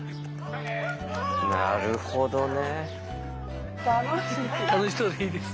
なるほどね。